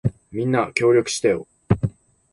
みんな、協力してよ。